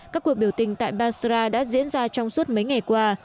các cuộc biểu tình tại basra đã diễn ra trong suốt mấy ngày qua